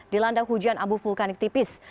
dilanda hujan abu vulkanik tipis